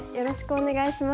お願いします。